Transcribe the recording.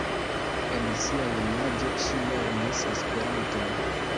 En sia junaĝo ŝi lernis Esperanton.